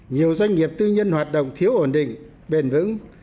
nhiều doanh nghiệp tư nhân hoạt động thiếu ổn định bền vững